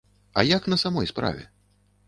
А як на самой справе?